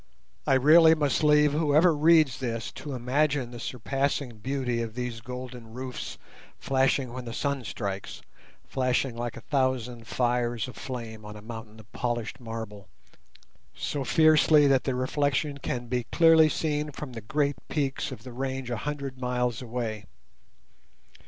I really must leave whoever reads this to imagine the surpassing beauty of these golden roofs flashing when the sun strikes—flashing like a thousand fires aflame on a mountain of polished marble—so fiercely that the reflection can be clearly seen from the great peaks of the range a hundred miles away.